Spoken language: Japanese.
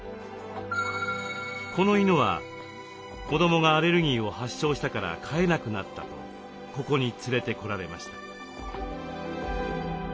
この犬は子どもがアレルギーを発症したから飼えなくなったとここに連れてこられました。